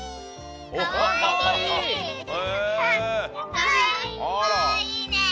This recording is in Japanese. かわいいね！